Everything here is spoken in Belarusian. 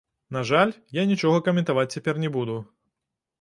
На жаль, я нічога каментаваць цяпер не буду.